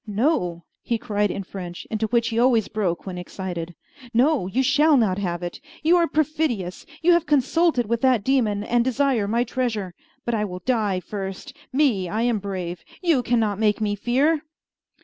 "No!" he cried in French, into which he always broke when excited. "No! you shall not have it! You are perfidious! You have consulted with that demon, and desire my treasure! But I will die first! Me, I am brave! You can not make me fear!"